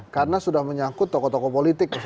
karena sudah menyangkut tokoh tokoh politik